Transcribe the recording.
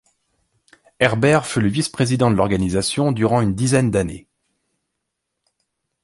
Herbert fut le vice-président de l’organisation durant une dizaine d’années.